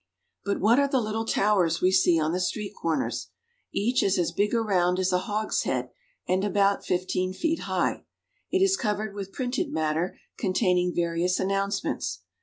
But what are the little towers we see on the street corners ! Each is as big around as a hogshead, and about fifteen feet high ; it is covered with printed matter containing various announcements.